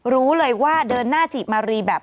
รู้เลยว่าเดินหน้าจีบมารีแบบ